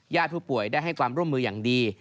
ผู้ป่วยได้ให้ความร่วมมืออย่างดี